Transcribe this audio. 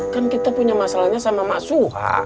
kan kita punya masalahnya sama maksua